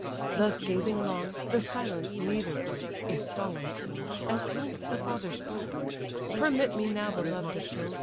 Thus gazing long, the silence neither broke, (A solemn scene!) at length the father spoke: "Permit me now, beloved of Jove!